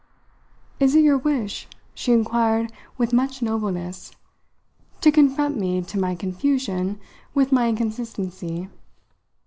"Is it your wish," she inquired with much nobleness, "to confront me, to my confusion, with my inconsistency?"